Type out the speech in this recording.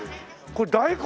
これ大根！？